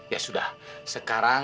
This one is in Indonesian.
ya sudah sekarang